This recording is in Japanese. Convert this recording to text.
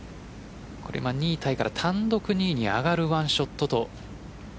２位タイから単独２位に上がるワンショットと。